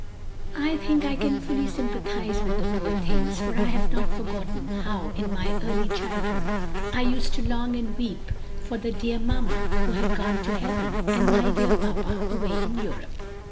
"I think I can fully sympathize with the poor things, for I have not forgotten how in my early childhood I used to long and weep for the dear mamma who had gone to heaven, and my dear papa away in Europe."